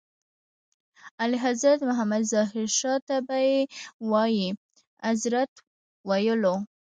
اعلیحضرت محمد ظاهر شاه ته به یې وایي اذرت ویلو.